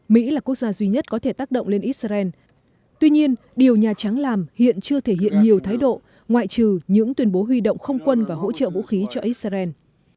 mỹ là quốc gia duy nhất có thể tác động lên israel tuy nhiên điều nhà trắng làm hiện chưa thể hiện nhiều thái độ ngoại trừ những tuyên bố huy động không quân và hỗ trợ vũ khí cho israel